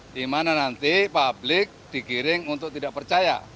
di mana nanti publik digiring untuk tidak percaya